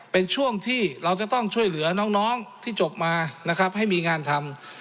เป็นช่วงที่เราจะต้องช่วยเหลือน้องที่จบมานะครับให้มีงานทำ